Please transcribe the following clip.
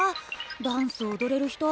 ダンス踊れる人